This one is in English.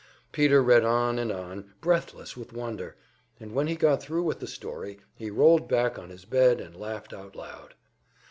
Peter read, on and on, breathless with wonder, and when he got thru with the story he rolled back on his bed and laughed out loud.